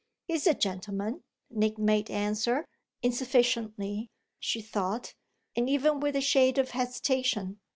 "He's a gentleman," Nick made answer insufficiently, she thought, and even with a shade of hesitation.